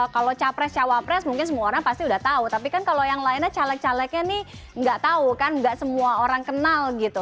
kalau capres cawapres mungkin semua orang pasti udah tahu tapi kan kalau yang lainnya caleg calegnya nih nggak tahu kan nggak semua orang kenal gitu